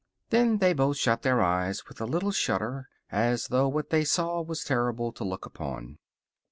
Then they both shut their eyes with a little shudder, as though what they saw was terrible to look upon.